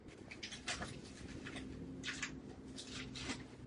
Ve spodní části se nachází Boží hrob se sochou zemřelého Ježíše.